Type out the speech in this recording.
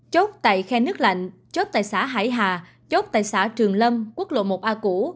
chốt tại khe nước lạnh chốt tại xã hải hà chốt tại xã trường lâm quốc lộ một a cũ